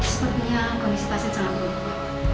sepertinya kamu bisa pasien selalu